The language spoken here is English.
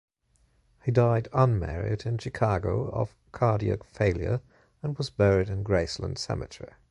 He died, unmarried, in Chicago, of cardiac failure, and was buried in Graceland Cemetery.